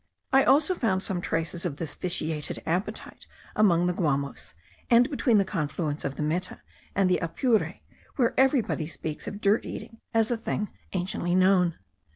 I also found some traces of this vitiated appetite among the Guamos; and between the confluence of the Meta and the Apure, where everybody speaks of dirt eating as of a thing anciently known.